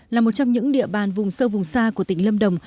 là một trong những địa bàn vùng sâu vùng xa của tỉnh lâm đồng